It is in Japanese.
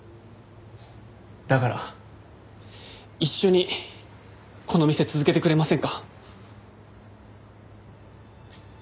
だから一緒にこの店続けてくれませんか？